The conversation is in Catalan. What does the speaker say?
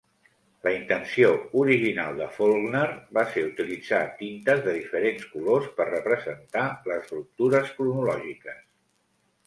La intenció original de Faulkner va ser utilitzar tintes de diferents colors per representar les ruptures cronològiques.